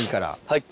はい。